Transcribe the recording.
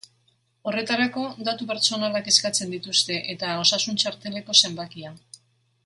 Horretarako, datu pertsonalak eskatzen dituzte eta osasun-txarteleko zenbakia.